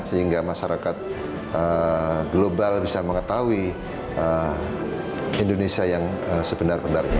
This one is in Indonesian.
sehingga masyarakat global bisa mengetahui indonesia yang sebenar benarnya